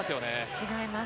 違います。